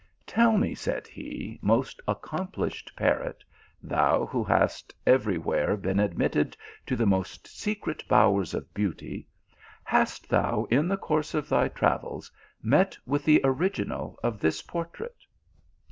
"Teil me," said he, "most accomplished parrot, thou who hast every where been admitted to the most secret bowers of beauty, hast thou in the course of thy travels met with the original of this 1 portrait?"